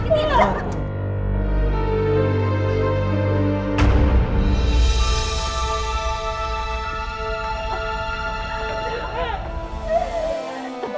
bapak lebih maaf